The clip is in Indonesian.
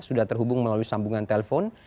sudah terhubung melalui sambungan telpon